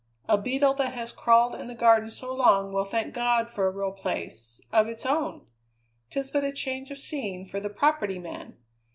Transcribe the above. A beetle that has crawled in the Garden so long will thank God for a real place of its own. 'Tis but a change of scene for the Property Man."